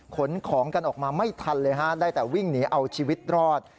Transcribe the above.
ขนของกันออกมาไม่ทันเลยฮะได้แต่วิ่งหนีเอาชีวิตรอด